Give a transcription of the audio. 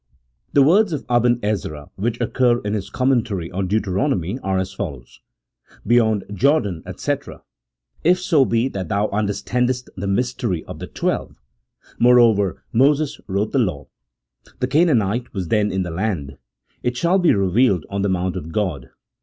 The words of Aben Ezra which occur in his commentary on Deuteronomy are as follows: — "Beyond Jordan, &c. .... If so be that thou understandest the mystery of the twelve .... moreover Moses wrote the law The Canaanite was then in the land .... it shall be revealed on the mount of God